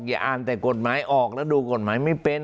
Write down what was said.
อย่าอ่านแต่กฎหมายออกแล้วดูกฎหมายไม่เป็น